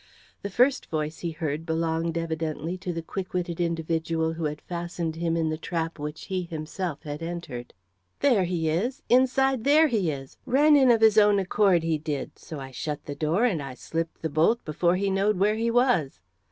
The first voice he heard belonged evidently to the quick witted individual who had fastened him in the trap which he himself had entered. "There he is inside there he is ran in of his own accord he did, so I shut the door, and I slipped the bolt before he knowed where he was.